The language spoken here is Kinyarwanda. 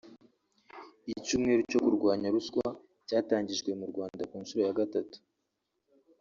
Icyumweru cyo kurwanya ruswa cyatangijwe mu Rwanda ku nshuro ya gatatu